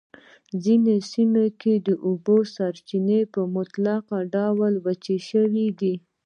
ځینو سیمو کې د اوبو سرچېنې په مطلق ډول وچې شوی دي.